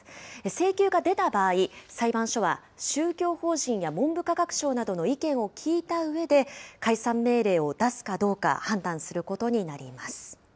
請求が出た場合、裁判所は宗教法人や文部科学省などの意見を聞いたうえで、解散命令を出すかどうか判断することになります。